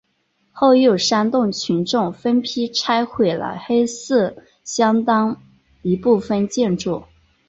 后又煽动群众分批拆毁了黑寺相当一部分建筑。